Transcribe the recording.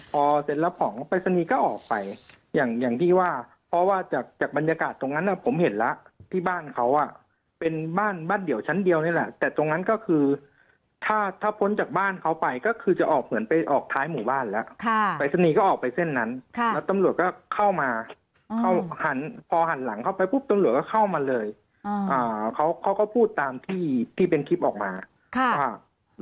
พอเสร็จแล้วของปรายศนีย์ก็ออกไปอย่างที่ว่าเพราะว่าจากบรรยากาศตรงนั้นผมเห็นแล้วที่บ้านเขาอ่ะเป็นบ้านบ้านเดี่ยวชั้นเดียวนี่แหละแต่ตรงนั้นก็คือถ้าถ้าพ้นจากบ้านเขาไปก็คือจะออกเหมือนไปออกท้ายหมู่บ้านแล้วปรายศนีย์ก็ออกไปเส้นนั้นแล้วตำรวจก็เข้ามาหันพอหันหลังเข้าไปปุ๊บตำรวจก็เข้ามาเลยเขาก็พูดตามที่ที่เป็นคลิปออกมาว่า